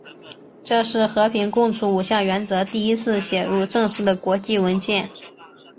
这是和平共处五项原则第一次写入正式的国际文件。